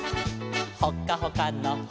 「ほっかほかのほ」